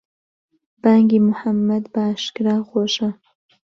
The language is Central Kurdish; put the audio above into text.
بانگی موحەممەد بەئاشکرا خۆشە.